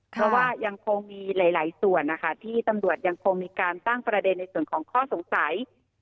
เพราะว่ายังคงมีหลายส่วนนะคะที่ตำรวจยังคงมีการตั้งประเด็นในส่วนของข้อสงสัย